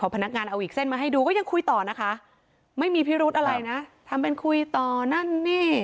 พนักงานเอาอีกเส้นมาให้ดูก็ยังคุยต่อนะคะไม่มีพิรุธอะไรนะทำเป็นคุยต่อนั่นนี่